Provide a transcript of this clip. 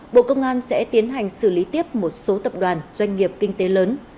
bộ công an sẽ tiến hành xử lý tiếp một số tập đoàn doanh nghiệp kinh tế lớn